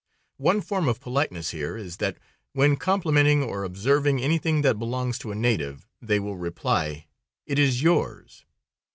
One form of politeness here is, that when complimenting or observing anything that belongs to a native, they will reply: "It is yours."